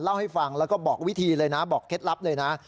เล่าให้ฟังแล้วก็บอกวิธีเลยนะบอกเคล็ดลับเลยนะ